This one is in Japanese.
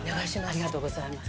ありがとうございます。